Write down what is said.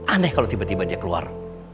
aneh kalau tiba tiba dia keluar